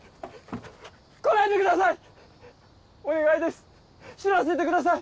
来ないでください！